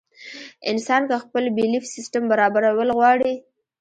انسان کۀ خپل بيليف سسټم برابرول غواړي